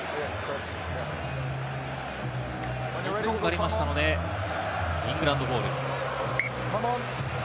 ノックオンがありましたので、イングランドボール。